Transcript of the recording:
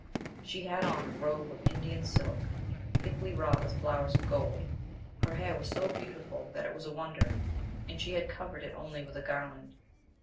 She had on a robe of Indian silk, thickly wrought with flowers of gold ; her hair was so beautiful that it was a wonder, and she had covered it only with a garland.